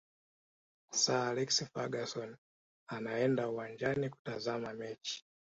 sir alex ferguson anaenda uwanjani kutazama mechi